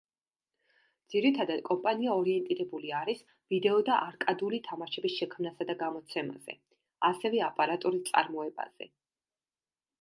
ძირითადად კომპანია ორიენტირებული არის ვიდეო და არკადული თამაშების შექმნასა და გამოცემაზე, ასევე აპარატურის წარმოებაზე.